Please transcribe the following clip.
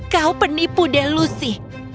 kau penipu delusi